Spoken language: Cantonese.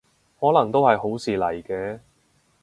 可能都係好事嚟嘅